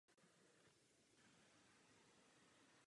Vyrůstala v Rakouském Nizozemí.